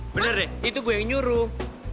bener deh itu gue yang nyuruh